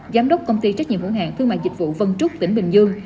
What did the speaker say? giám đốc công ty trách nhiệm hữu hạng thương mại dịch vụ vân trúc tỉnh bình dương